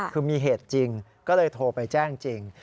คือมีเหตุจริงก็เลยโทรไปแจ้งจริง